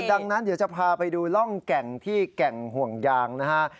ดังนั้นเดี๋ยวจะพาไปดูร่องแก่งที่แก่งห่วงยางนะฮะ